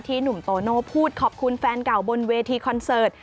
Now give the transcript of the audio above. หนุ่มโตโน่พูดขอบคุณแฟนเก่าบนเวทีคอนเสิร์ต